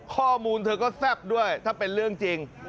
เธอก็แซ่บด้วยถ้าเป็นเรื่องจริง